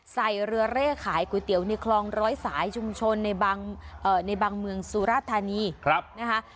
ใส่เรือเร่ขายก๋วยเตี๋ยวในคลองร้อยสายชุมชนในบางเมืองสุราธานีนะคะ